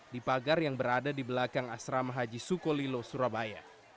di pagar yang berada di belakang asrama haji sukolilo surabaya